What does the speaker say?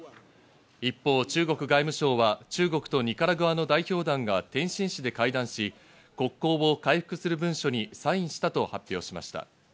一方、中国外務省は中国とニカラグアの代表団が天津市で会談し、国交を回復する文書にサインしたと発表しました。